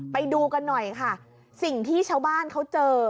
ไปดูกันหน่อยค่ะสิ่งที่ชาวบ้านเขาเจอ